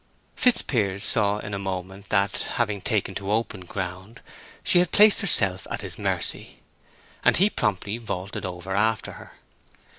Fitzpiers saw in a moment that, having taken to open ground, she had placed herself at his mercy, and he promptly vaulted over after her.